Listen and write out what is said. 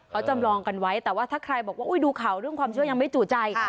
เขาจำลองกันไว้แต่ว่าถ้าใครบอกว่าดูข่าวเรื่องความเชื่อยังไม่จู่ใจ